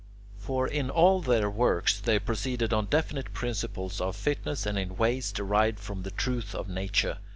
For in all their works they proceeded on definite principles of fitness and in ways derived from the truth of Nature.